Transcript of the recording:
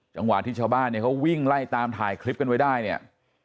จังหวะที่ชาวบ้านเนี่ยเขาวิ่งไล่ตามถ่ายคลิปกันไว้ได้เนี่ย